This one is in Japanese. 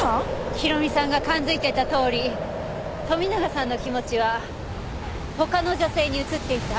宏美さんが勘づいていたとおり富永さんの気持ちは他の女性に移っていた。